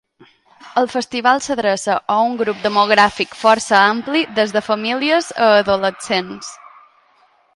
El festival s'adreça a un grup demogràfic força ampli, des de famílies a adolescents.